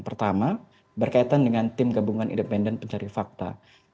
pertama berkaitan dengan tim gabungan independen pencari fakta